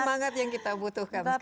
semangat yang kita butuhkan